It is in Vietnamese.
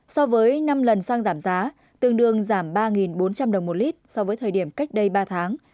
so với năm lần xăng giảm giá tương đương giảm ba bốn trăm linh đồng một lít so với thời điểm cách đây ba tháng